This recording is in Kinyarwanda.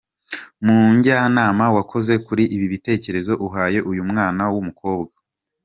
Mujyanama wakoze kuri ibi bitekerezo uhaye uyu mwana w’umukobwa.